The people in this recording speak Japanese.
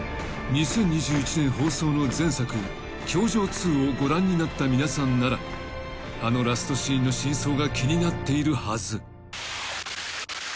［２０２１年放送の前作『教場Ⅱ』をご覧になった皆さんならあのラストシーンの真相が気になっているはず］